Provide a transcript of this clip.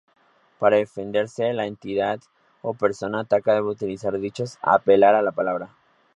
Para defenderse, la entidad o persona atacada debe utilizar dichos, apelar a la palabra.